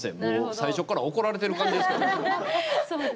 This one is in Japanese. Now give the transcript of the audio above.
最初から怒られてる感じですけどね。